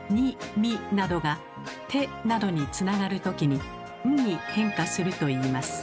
「み」などが「て」などにつながる時に「ん」に変化するといいます。